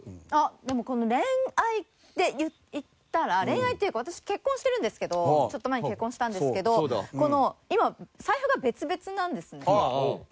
でもこの恋愛でいったら恋愛っていうか私結婚してるんですけどちょっと前に結婚したんですけど今財布が別々なんですね。